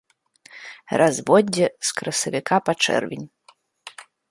Разводдзе з красавіка па чэрвень.